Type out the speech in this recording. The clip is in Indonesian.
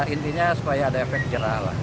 intinya supaya ada efek jerah lah